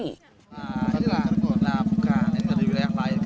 nah ini lah bukan ini dari wilayah lain